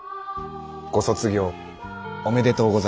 ご卒業おめでとうございます。